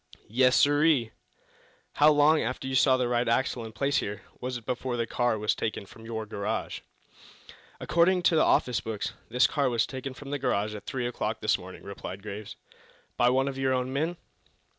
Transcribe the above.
"Yes, sirree." "How long, after you saw the right axle in place here, was it before the car was taken from your garage?" "According to the office books this car was taken from the garage at three o'clock this morning," replied Graves. "By one of your own men?"